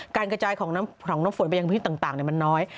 การกระจายของน้ำฝนไปที่ต่างมันน้อย